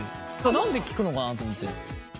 なんで聞くのかなと思って。